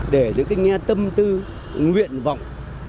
để những cái nghe tâm tư nguyện vọng